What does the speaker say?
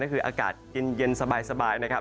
ก็คืออากาศเย็นสบายนะครับ